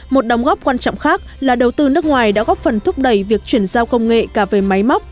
một đóng góp quan trọng khác là đầu tư nước ngoài đã góp phần thúc đẩy việc chuyển giao công nghệ cả về máy móc